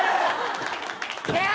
えっ！？